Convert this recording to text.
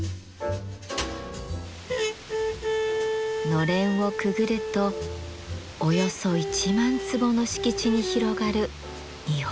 のれんをくぐるとおよそ１万坪の敷地に広がる日本庭園。